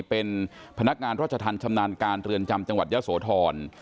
เป็นพนักงานราชธรรมชำนาญการเรือนจำจังหวัดยะโสธร